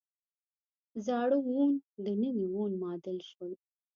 زاړه وون د نوي وون معادل شول.